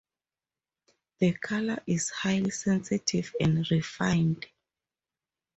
The colour is highly sensitive and refined.